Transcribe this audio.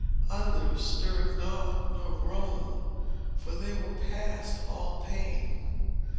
Others stirred not, nor groaned, for they were past all pain.